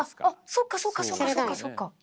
あっそっかそっかそっか。